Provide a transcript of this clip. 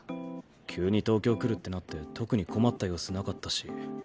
急に東京来るってなって特に困った様子なかったし。